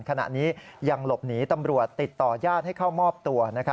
ขณะนี้ยังหลบหนีตำรวจติดต่อญาติให้เข้ามอบตัว